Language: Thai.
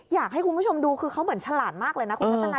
อยากให้คุณผู้ชมดูคือเขาเหมือนฉลาดมากเลยนะคุณทัศนัย